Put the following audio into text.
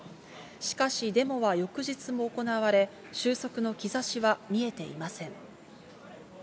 しかし、デモは翌日も行われ、収束の兆しは見えていません。